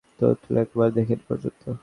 চোখ তুলে একবার দেখেনি পর্যন্ত।